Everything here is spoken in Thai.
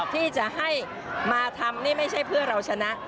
ที่จะให้มาทำนี่ไม่ใช่เพื่อเราชนะ